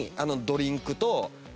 ドリンク？